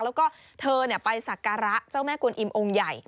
แล้วก็เธอเนี่ยไปศักระเจ้าแม่กุณอิมองค์ใหญ่